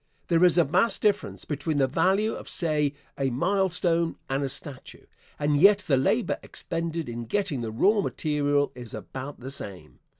There is a vast difference between the value of, say, a milestone and a statue, and yet the labor expended in getting the raw material is about the same.